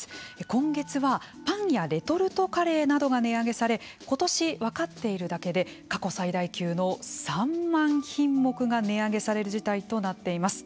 今月はパンやレトルトカレーなどが値上げされ今年、分かっているだけで過去最大級の３万品目が値上げされる事態となっています。